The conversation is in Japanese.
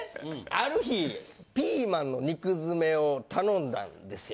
ある日ピーマンの肉詰めを頼んだんですよ。